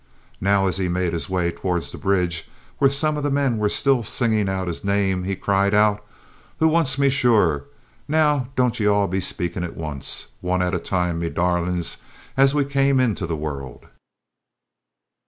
Now, as he made his way towards the bridge, where some of the men were still singing out his name, he cried out, "Who wants me, sure? Now, don't ye be all spaking at once; one at a time, me darlints, as we all came into the wurrld!"